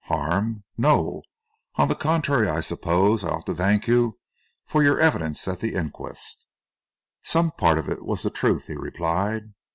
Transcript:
"Harm? No! On the contrary, I suppose I ought to thank you for your evidence at the inquest." "Some part of it was the truth," he replied.